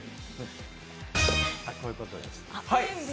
こういうことです。